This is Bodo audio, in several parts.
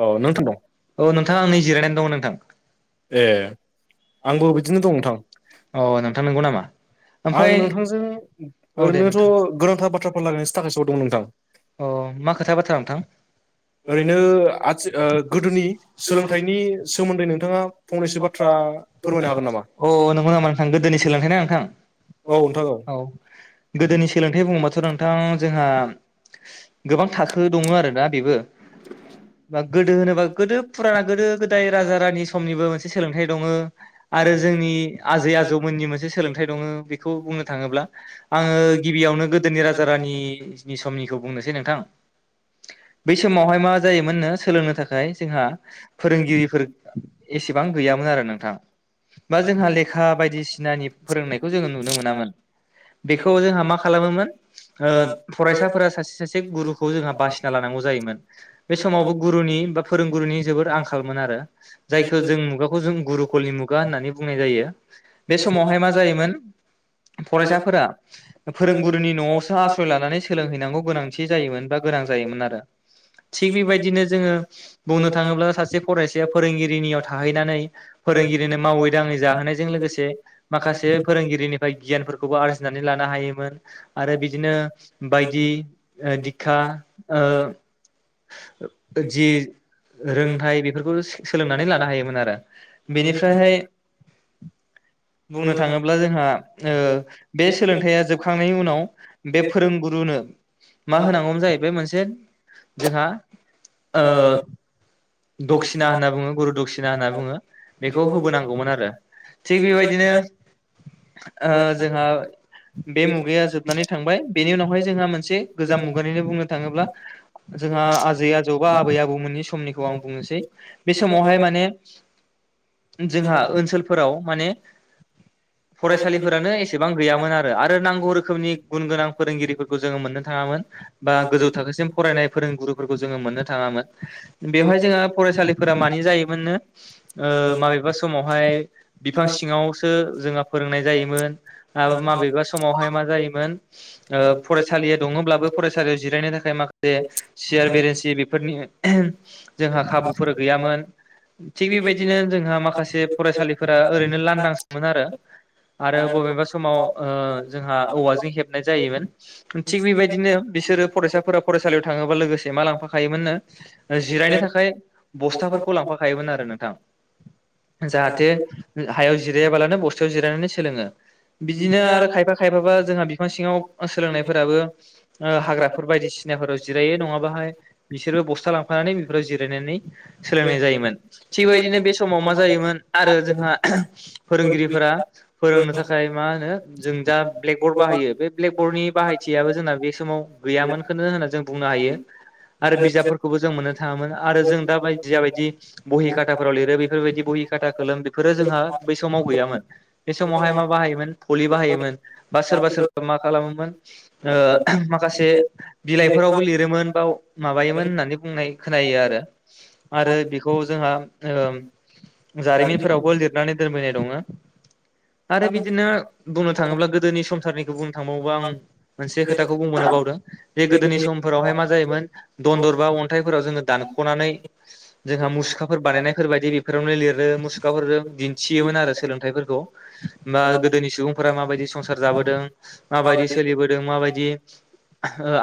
औ नोंथांबाय औ नोंथां आं [unintelligible] नै जिरायनानै दङ नोंथां ए [unintelligible] अ बिदिनो दं नोंथां नोंथां नोंगौ नामा? आं ओमफ्राय नोंथांजों औ दे ओरैनोथ' नोंथां गोनांथार बाथ्राफोर लारायनोसो थाखायसो हरदोंमोन नोंथां। अ मा खोथा बाथ्रा नोंथां? ओरैनो आथि ओ गोदोनि सोलोंथाइनि सोमोन्दै नोंथाङा फंनैसो बाथ्रा फोरमायनो हागोन नामा अ नोंगौ नामा नोंथां गोदोनि सोलोंथाइना नोंथां औ औ गोदोनि सोलोंथाइ बुङोबाथ' नोंथां जोंहा गोबां थाखो दङो आरो दा बेबो। बा गोदो होनोबा गोदो फुराना गोदो गोदाय राजा रानि समनिबो मोनसे सोलोंथाइ दङ आरो जोंनि आजै आजौमोननि मोनसे सोलोंथाइ दङो बेखौ बुंनो थाङोब्ला आंङो गिबियावनो गोदोनि राजा रानिनि समनिखौ बुंनोसै नोंथां। बै समावहाय मा जायोमोननो सोलोंनो थाखाय जोंहा फोरोंगिरिफोर एसेबां गैयामोन आरो नोंथां। बा जोंहा लेखा बायदिसिनानि फोरोंनायखौ जोङो नुनो मोनामोन। बेखौ जोंहा मा खालामोमोन ओ फरायसा फोरा सासे सासे गुरुखौ जोंहा बासिना लानांगौ जायोमोन। बे समावबो गुरुनि बा फोरोंगुरुनि जोबोद आंखालमोन आरो जायखो जों मुगाखो जों गुरु कलनि मुगा होननानै बुंनाय जायो। बे समावहाय मा जायोमोन फरायसाफोरा फोरोंगुरुनि न'आवसो आस्रय लानानै सोलोंहैनांगौ गोनांथि जायोमोन बा गोनां जायोमोन आरो थिग बेबायदिनो जोङो बुंनो थाङोब्ला सासे फराय फोरोंगिरिनियाव थाहैनानै फोरोंगिरिनो मावै दाङै जाहोनायजों लोगोसे माखासे फो रोंगिरिनिफाय गियानफोरखौबो आरजिनानै लानो हायोमोन आरो बिदिनो बायदि ओ दिखा ओ जि रोंथाय बेफोरखौ सो-सोलोंनानै लानो हायोमोन आरो। बेनिफ्रायहाय बुंनो थाङोब्ला जोंहा ओ बे सोलोंथाइया जोबखांनायनि उनाव बे फोरोंगुरुनो मा होनांगौमोन जाहैबाय मोनसे जोंहा ओ दक्सिना होनना बुङो, गुरु दक्सिना होनना बुङो, बेखौ होबोनांगौमोन आरो। थिग बेबायदिनो ओ जोंहा बे मुगाया जोबनानै थांबाय। बेनि उनावहाय जोंहा मोनसे गोजाम मुगानिनो बुंनो थाङोब्ला जोंहा आजै आजौ बा आबै आबौमोननि समनिखौ आं बुंनोसै। बे समावहाय माने जोंहा ओनसोलफोराव माने फरायसालिफोरानो एसेबां गैयामोन आरो आरो नांगौ रोखोमनि गुन गोनां फोरोंगिरिफोरखौ जोङो मोननो थाङामोन बा गोजौ थाखोसिम फरायनाय फोरोंगुरुफोरखौ जोङो मोननो थाङामोन। बेवहाय जोंहा फरायसालिफोरा मानि जायोमोननो ओ माबेबा समावहाय बिफां सिङावसो जोंहा फोरोंनाय जायोमोन आबो माबेबा समावहाय मा जायोमोन ओ फरायसालिया दङब्लाबो फरायसालियाव जिरायनो थाखाय माखासे सियार बेरेन्सि बेफोरनि जोंहा खाबुफोर गैयामोन। थिग बेबायदिनो जोंहा माखासे फरायसालिफोरा ओरैनो लांदांसोमोन आरो। आरो बबेबा समाव ओ जोंहा औवाजों हेबनाय जायोमोन। थिग बेबायदिनो बिसोरो फरायसाफोरा फरायसालियाव थाङोबा लोगोसे मा लांफाखायोमोननो जिरायनो थाखाय बस्थाफोरखौ लांफाखायोमोन आरो नोंथां। जाहाथे हायाव जिरायाबालानो बस्थायाव जिरायनानै सोलोङो। बिदिनो आरो खायफा खायफाबा जोंहा बिफां सिङाव सोलोंनायफोराबो हाग्राफोर बायदिसिनाफोराव जिरायो नङाबाहाय बिसोरबो बस्था लां फानानै बेफोराव जिरायनानै, सोलोंनाय जायोमोन। थिग बेदिनो बे समाव मा जायोमोन आरो जोंहा फोरोंगिरिफोरा फोरोंनो थाखाय मा होनो जों जा ब्लेकबर्ड बाहायो, बे ब्लेकबर्डनि बाहायथियाबो जोंना बे समाव गैयामोनखौनो होनना जों बुंनो हायो। आरो बिजाबफोरखौबो जों मोननो थाङामोन आरो जों दा बायदि जाबायदि बहि खाथाफोराव लिरो बेफोरबायदि बहि, खाथा, खोलोम बेफोरो जोंहा बै समाव गैयामोन। बे समावहाय मा बाहायोमोन फलि बाहायोमोन बा सोरबा सोर मा खालामोमोन ओ माखासे बिलाइफोरावबो लिरोमोन बा माबायोमोन होननानै बुंनाय खोनायो आरो। आरो बेखौ जोंहा ओ जारिमिनफोरावबो लिरनानै दोनबोनाय दङो। आरो बिदिनो बुंनो थाङोब्ला गोदोनि संसारनि बुंनो थांबावोबा आं मोनसे खोथाखौ बुंबावनो बावदों। जे गोदोनि समफोरावहाय मा जायोमोन दनदर बा अन्थाइफोराव जोङो दानख'नानै जोंहा मुसुखाफोर बानायनायफोर बायदि बे फोरावनो लिरो। मु सुखाफोरजों दिन्थियोमोन आरो सोलोंथाइफोरखौ बा गोदोनि सुबुंफोरा माबायदि संसार जाबोदों माबायदि सोलिबोदों, माबायदि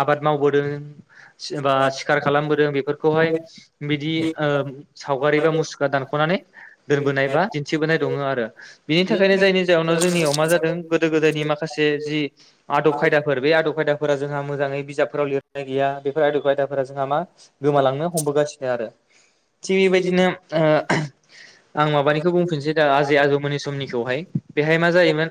आबाद मावबोदों [unintelligible] सिखार खालामबोदों बेफोरखौहाय बिदि ओ सावगारि बा मुसुखा दान ख'नानै दोनबोनाय बा दिन्थिबोनाय दङ आरो बिनि थाखायनो जायनि जाहोनाव जोंनियाव मा जादों गो दो गोदोयनि माखासे जि आदब खायदाफोर बे आदब खायदा फोरा जोंहा मोजाङै बिजाबफोराव लिरनाय गैया बेफोर आयदाखौ आयदाफोरा जोंहा मा गोमालांनो हमबोगासिनो आरो। थिग बेबायदिनो [unintelligible] आं माबानिखौ बुंफिनसै दा आजै आजौमोननि समनिखौहाय। बेहाय मा जायोमोन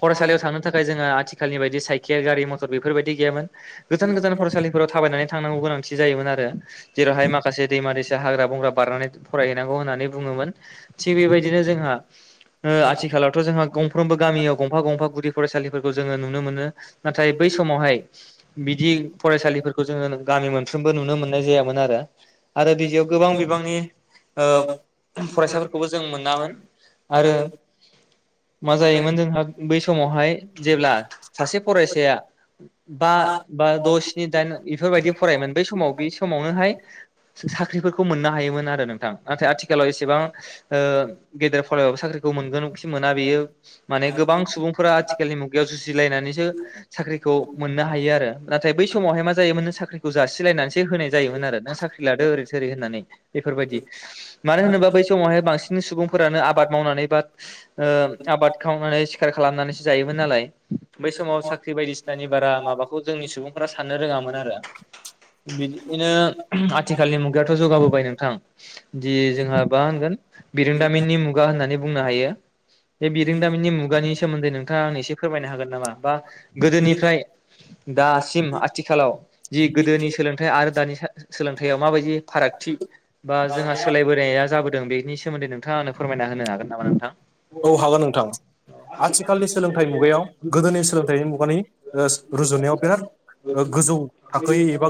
फरायसालियाव थां नो थाखाय जोङो आथिखालनि बायदि साइकेल गारि मथर बेफोरबायदि गैयामोन। गोजान गोजान फरायसालिफोराव थाबायनानै थांनांगौ गोनांथि जायोमोन आरो जेरावहाय माखासे दैमा दैसा हाग्रा बंग्रा बारनानै फरायहैनांगौ होननानै बुङोमोन। थिग बेबायदिनो जोंहा ओ आथिखालावथ' जोंहा गंफ्रोमबो गामियाव गंफा गंफा गुदि फरायसालिफोरखौ जोङो नुनो मोनो। नाथाय बै समावहाय बिदि फरायसालिफोरखौ जोङो गामि मोनफ्रोमबो नुनो मोननाय जायामोन आरो। आरो बिदियाव गोबां बिबांनि ओ फरायसाफोरखौबो जों मोनामोन। आरो मा जायोमोन जोंहा बै समाव जेब्ला सासे फरायसाया बा बा द' स्नि दाइन इफोरबायदि फरायोमोन बै समाव बे समावनोहाय साख्रिफोरखौ मोननो हायोमोन आरो नोंथां नाथाय आथिखालाव एसेबां ओ गेदेर फरायबाबो साख्रि खौ मोनगोनखि मोना बेयो माने गोबां सुबुंफोरा आथिखालनि मुगायाव जुजिलायनानैसो साख्रि खौ मोननो हायो आरो नाथाय बै समावहाय मा जायोमोन नों साख्रिखौ जासिलायनानैसो होनाय जायोमोन आरो नों साख्रि लादो। ओरै थोरै होननानै बेफोरबायदि मानो होनोबा बै समावहाय बांसिन। सुबुंफोरानो आबाद मावनानै बा ओ आबाद खालामनानै सिखार खालामनानैसो जायोमोन नालाय। बै समाव साख्रि बायदिसिनानि बारा माबाखौ जोंनि सुबुंफोरा साननो रोङामोन आरो। बिदिनो आथिखालनि मुगायावथ' जौगाबोबाय नोंथां दि जोंहा मा होनगोन बिरोंदामिननि मुगा होननानै बुंनो हायो बे बिरोंदामिननि मुगानि सोमोन्दै नों आं एसे फोरमायनो हागोन नामा बा गोदोनिफ्राय दासिम आथिखालाव जि गोदोनि सोलोंथाइ आरो दानि सोलोंथायाव माबायदि फारागथि बा जोंहा सोलायबोनाया जाबोदों बे बिनि सोमोन्दै नोंथाङा फोरमायना होनो हागोन नामा नोंथां। औ हागोन नोंथां आथिखालनि सोलोंथाइ मुगायाव गोदोनि सोलोंथाइ मुगानि ओ रुजुनायाव बिराद ओ गोजौ थाखोयै एबा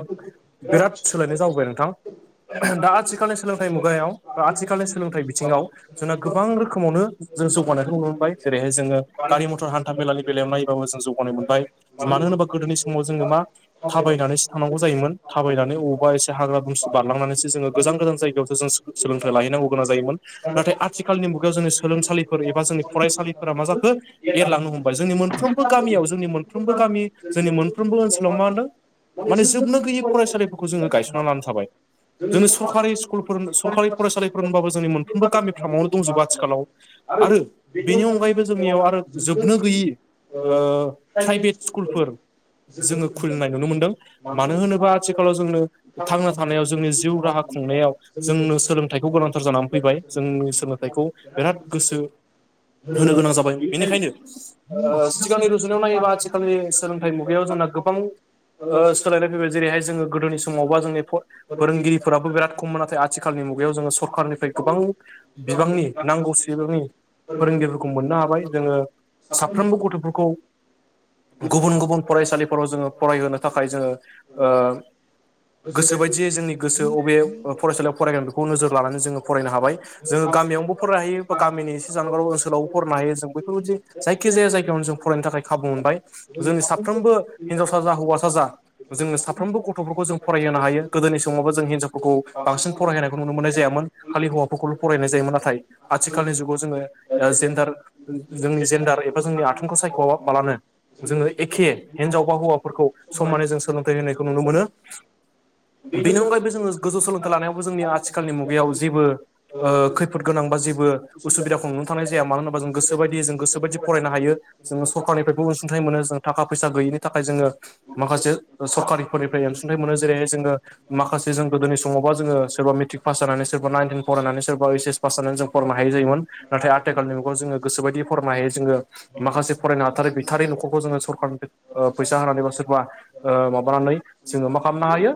बिराद सोलायनाय जाबोबाय नोंथां। दा आथिखालनि सोलोंथाइ मुगायाव बा आथिखालनि सोलोंथाइ बिथिङाव जोंना गोबां रोखोमावनो जों जौगानायखौ नुनो मोनबाय जेरैहाय जोङो गारि मथर हान्था मेलानि बेलायाव नायबाबो जों जौगानाय मोनबाय मानो होनोबा गोदोनि समाव जोङो मा थाबायना थांनांगौ जायोमोन थाबायनानै अबावबा एसे हाग्रा बुमस बारलांनानैसो जोङो गोजान गोजान जायगायाव जों सोलोंथाइ लाहैनांगौ गोनां जायोमोन नाथाय आथिखालनि मुगायाव जोंनि सोलोंसालिफोर एबा जोंनि फरायसालिफोरा मा जाखो एरलांनो हमबाय जोंनि मोनफ्रोमबो गामियाव जोंनि मोनफ्रोमबो गामि जोंनि मोनफ्रोमबो ओनसोलाव मा होनदों। माने जोबनो गैयै फरायसालिफोरखौ जोङो गायसनना लानो थाबाय। जोंनि सरकारि स्कुलफोर सरकारि फरायसालिफोर होनबाबो जोंनि मोनफ्रोमबो गामिफ्रामावनो दंजोबो आथिखालाव आरो बेनि अनगायैबो जोंनियाव आरो जोबनो गैयि ओ प्राइभेट स्कुलफोर जोङो खुुलिनाय नुनो मोनदों मानो होनोबा आथिखालाव जोंनो थांना थानायाव जोंनि जिउ राहाखौ खुंनायाव जोंनो सोलोंथाइखौ गोनांथार जानानै फैबाय जोंनि सोलोंथाइखौ बिराद गोसो होनो गोनां जाबाय। बेनिखायनो ओ सिगांनि रुजुनायाव नायोबा आथिखालनि सोलोंथाइ मुगायाव जोंना गोबां ओ सोलायनाय फैबाय जेरैहाय जोङो गोदोनि समावबा जोंनि [unintelligible] फोरोंगिरिफोराबो बिराद खममोन नाथाय आथिखालनि मुगायाव जोङो सरखारनिफ्राय गोबां बिबांनि नांगौ सिबांनि फोरोंगिरिफोरखौ मोननो हाबाय जोङो साफ्रोमबो गथ'फोरखौ गुबुन गुबुन फरायसालिफोराव जोङो फरायहोनो थाखाय जोङो ओ गोसो बायदियै जोंनि गोसो अबे ओ फरायसालियाव फरायगोन बेखौ नोजोर लानानै जोङो फरायनो हाबाय जोङो। गामियावबो फरायनो हायो बा गामिनि एसे जानगाराव ओनसोलावबो फरायनो हायो जोंबो औ दि जायखिजाया जायगायावनो जों फरायनो थाखाय खाबु मोनबाय जोंनि साफ्रोमबो हिनजावसा जा हौवासा जा जोङो साफ्रोमबो गथ'फोरखौ जों फरायहोनो हायो गोदोनि समावबो जों हिनजावफोरखौ बांसिन फरायहोनायखौ नुनो मोनो। जायामोन खालि हौवाफोरखौल' फरायनाय जायोमोन नाथाय आथिखालनि जुगाव जोङो जेन्डार जोंनि जेन्डार एबा जोंनि आथोनखौ सायख'वाबालानो जोङो एखे हिनजावबा हौवाफोरखौ समानै जों सोलोंथाइ होनायखौ नुनो मोनो। बेनि अनगायैबो जोङो गोजौ सोलोंथाइ लानायावबो जोंनि आथिखालनि मुगायाव जेबो ओ खैफोद गोनां जेबो उसुबिदाखौ नुनो‌ थांनाय जाया मानो होनबा जों जों गोसोबायदि जों गोसोबायदि फरायनो हायो जोङो सरखारनिफ्रायबो अनसुंथाइ मोनो जों थाखा फैसा गैयिनि थाखाय जोङो माखासे सरकारिफोरनिफ्राय अनसुंथाइ मोनो जेरैहाय जोङो माखासे जों गोदोनि समावबा जोङो मेट्रिक पास जानानै सोरबा नाइन टेन फरायनानै सोरबा इस एस पास जानानै फरायनो हायै जायोमोन नथाय आथिखालनि मुगाव जोङो गोसोबायदि फरायनो हायोै जोङो माखासे फरायनो हाथार गैथारि न'खरखौ जोङो सरखारनिफ्राय ओ फैसा होनानै बो एबा ओ माबानानै जोङो मा खालामनो हायो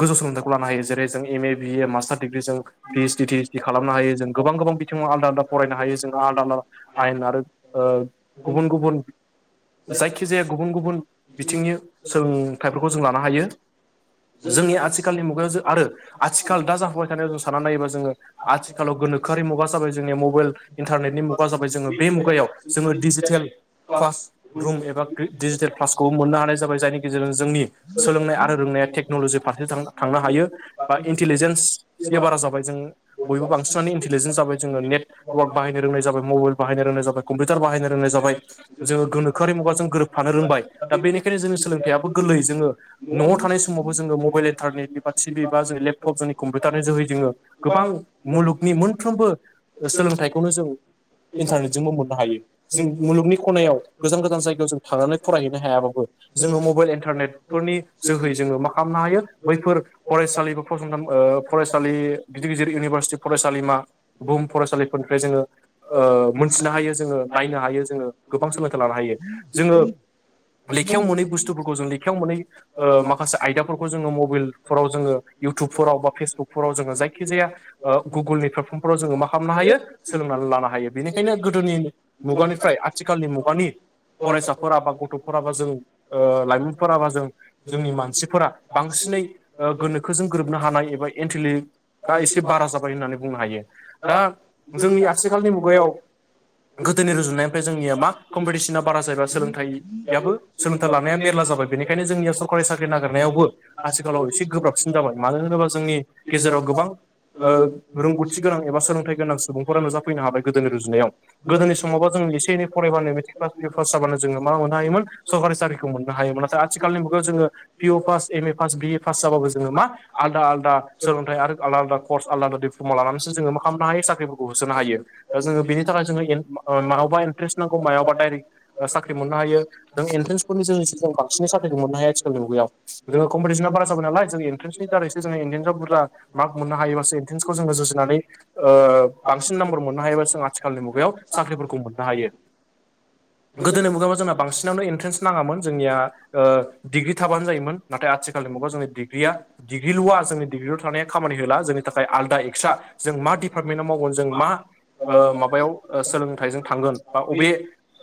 गोजौ सोलोंथाइखौ लानो हायो जेरै जों एम ए बिए मा मास्टार दिग्रि जों पिइस डि थिइसडि खालामनो हायो गोबां गोबां बिथिाव आद आदा फरायनो हायो जों आलदा आलदा आयेन आरो ओ गुबुन गुबुन जायखिजाया गुबुन गुबुन बिथिंनि सोलोंथाइफोरखौ जों लानो हायो‌ जोंनि आथिखालनि मुगायाव जों आरो आथिखाल दा जाखोबाय थानायाव जों साननानै नायोबा जोङो आथिखालाव गोब गोनोखोआरि मुगा जाबाय जोंनिया मबाइल इन्टारनेटनि मुगा जाबाय जोङो बे मुगायाव जोङो डिजिटेल क्लास रुम एबा डिजिटेल क्लासखौबो मोननो हानाय जाबाय जायनि गेजेरजों जोंनि सोलोंनाय आरो रोंनाय टेक्न'लजि फारसे थांनो हायो बा इन्टेलिजेन्स बारा जाबाय जों बयबो बांसिन इन्टेलिजेस जाबाय जोङो नेट [unintelligible] मबाइल बाहायनो रोंनायाब क्पिउटार बाहायनो रोंनाय जाबाय जोंङो गोनोआरि मुगाजों गोरोबफानो रोंबाय दा बेनि बेखायनो जों सोलोंथथाययो गोरलै जो न'आव थानाय समावबो जोङो मबाइल इनतारनेट बा टि भि बा जों लेपटप जोंनि कम्पिउटारनि जोहै जोङो गोबां मुलुगनि मोनफ्रोमबो सोलोंथाइखौनो जों इन्टारनेटजोंबो मोननो हायो जों मुलुगनि खनायाव गोजान गोजान जायगायाव जों थांनानै फरायहैनो हाया बाबो जोङो मबाइ इन्टारनेत फोरनि जोहै जोङो मा खालामनो हायो बैफोर फरायसालि फसं थान फरायसालि गिदिर गिदिर इउनिभारसिटि फरायसालिमा बुहुम फरायसालिफोरनि ओ मोनथिनो हायो जोङो नायनो हायो जोङो गोबां सोलोंथाइ लानो हायो जोङो लेखायाव मोनै बुस्थुफोरखौ जों लेखायाव मोनै ओ माखासे आयदाफोरखौ जोङो मबाइलफोराव जोङो इउटुबफोराव बा फेसबुकफोराव जोङो जायखिजाया ओ गुगोलनि प्लेटफर्मफोराव जोङो मा खालामनो हायो। सोलोंनानै लानो [unintelligible] हायो बेनिखायनो गोदोनि मुगानिफ्राय आथिखालनि मुगानि फरायसाफोराबा गथ'फोराबा जों ओ लाइमोनफोरा बा जों जोंनि मानसिफोरा बांसिन सिनै ओ गोनोखोजों गोरोबनो हानाय एबा एन्टिलिकआ एसे बारा जाबाय होननानै बुंनो हायो। दा जोंनि आथिखालनि मुगायाव गोदोनि रुजुनायनिफ्राय जोंनिया मा कम्पिटिसना बारा जायोबा सोलोंथाइयाबो सोलोंथाइ लानाया मेरला जाबाय बेनिखायनो जोंनि सरकारि साख्रि नागिरनायावबो आथिखालाव एसे गोब्राबसिन जाबाय मानो होनोबा जोंनि गे जेराव गोबां अ रोंगौथि गोनां एबा सोलोंथाइ गोनां सुबुंफोरा नुजाफै नोहाबाय गोदोनि रुजुनायाव गोदोनि समावबा जों इसे एनै फरायबानो मेट्रक पास बि ए पास जाबानो जोङो मा मोननो हायोमोन। सरकारि साख्रिखौ मोननो हायोमोन नाथाय आथिखालनि मुगायाव जोङो पिअ फास, M A pass B A pass जाबो जोङो मा आलदा आलदा सोलोंथाइ आरो आलदा आलदा कर्स आलद आलदा दिप्लमा लानानैसो जोङो मा खालामनो हायो साख्रिफोरखौ होसोनो हायो। दा जोङो बेनि थाखाय जोङो माहावबा इन्ट्रेस्ट नांगौ मायावबा डाइरेक्ट साख्रि मोननो हायो जों एन्ट्रेनसफोरनि जों बांसिन साख्रिखौ मोननो हाया आथिखालनि मुगायाव जोङो कम्पिटिसना बारा जाबाय नाय जों एन्ट्रन्सनि दारै सो जोङो इन्ट्रेनसाव बुर्जा मार्क मोननो हायोबासो इन्ट्रेनसखौ जोङो जुजिनानै ओ बांसिन आ आथिखालनि मुगायाव साख्रिफोरखौ मोननो हायो। गोदोनि मुगायावाव जोंना बांसिनावनो एन्ट्रेन्स नाङामोन जोंनिया ओ डिग्रि थाबानो जायोमोन नाथाय आथिखाल मुग जोंनि दिग्रिया दिग्रिलआ जोंनि दिग्रिल थानाया खामानि होला जोंनि थाखाय आलदा एकत्रा जों मा डिपार्टमेन्टआव माव गोन जों मा माबायाव सोलोंथाइजों थांगोन बा बबे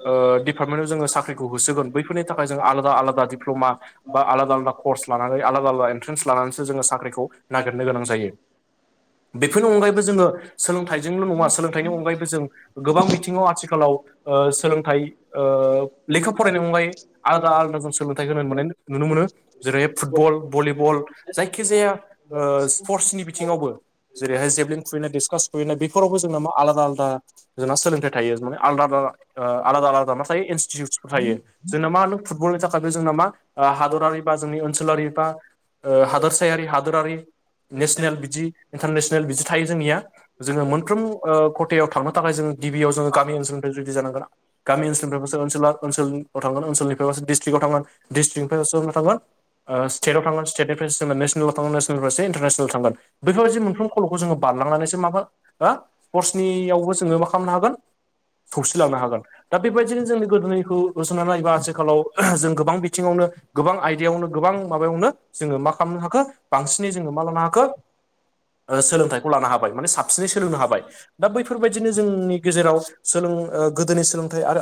ओ दिपार्टमेन्टआव जोङो साख्रिखौ होसोगोन बैफोरनि थाखाय जों आलादा आलादा डप्ल'मा बा आलादा आलादा कर्स लानानै आलादा आलादा एन्ट्रेन्स लानानैसो जोङो साख्रिखौ नागिरनो गोनां जायो बेफोरनि अनगायैबो जोङो। सोलोंथाइजोंल' नङा सोलोंथाइनि अनगायैबो जों गोबां बिथिङाव आथिखालाव अ सोलों थाय लेखा फरायनाय अगायै आलादा आलादा जों सोलोंथाइखौ होनो मोननाय नुनो मोनो जेरै फुटबल भलिबल जायखि जाया अ स्पर्सनि बिथिङावबो जेरैहाय जेबलिन खुुबैनाय डिसकास खुबैनाय बेफोरावबो जोंना मा आलादा आलादा जोंना सोलोंथाइ थायो माने आलादा आलदा अ आलादा आलादा मा थायो इनस्टिटिउटसफोर थायो जोंना मा होनो फुटबलनि थाखाय जोंना मा हादरारि बा जोंनि ओनसोलारि बा हादोरसायारि हादोरारि। नेसनेल बिदि इन्टारनेसनेल बिदि थायो जोंनिया। जोङो मोनफ्रोम खथायाव थांनो थाखाय जोङो गिबियाव जोङो गामि ओनसोलनिफ्राय जुदि जानांगोना। गामि ओनोलनिफ्रायबोासो ओसोला ओसोलाव थांगोन ओनसोलनिफ्रायबासो डस्ट्रिक्कआव थांगोन डिस्ट्रिक्टनिफ्रायबसो थागोन। स्टेटाव थांगोन स्टेटनिफ्राय जोङो नेसनेल थांगोन नेसनेलनिासो इन्टारनेसनेल थांगोन बेफोरबायदि मोनफ्रोम खल' जो बारलांनानैसो माबा हो स्पर्टसनियावबो जोङो मा खालामनो हागोन। सौसिलांनो हागोन दा बेबायदिनो जोंनि गोदोनिखौ रुजोननानै नायबा आथिखालाव जों गोबां बिथिङावनो गोां आयदायावनो गोबां माबायावनो जोङो मा खालामनो हाखो बांसिनै जोङो मा लानो हाखो। सोलोंथाइखौ लानो हाबाय माने सा हाबसिनै सोलोंनो हाबाय दा बैफोरबायदिनो जोंनि गेजेराव सों गोदोनि सोलोंथाइ आरो।